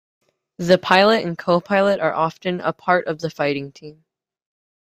The pilot and co-pilot are often a part of the fighting team.